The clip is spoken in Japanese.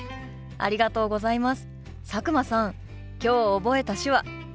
ありがとうございます。